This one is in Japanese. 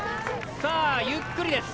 さあゆっくりです！